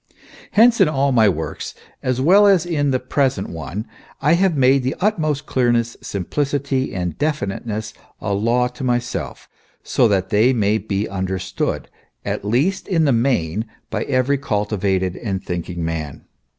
Hence, in all my works as well as in the present one, I have made the utmost clearness, simplicity and definiteness, a law to myself, so that they may be understood, at least in the main, by every cultivated and thinking man.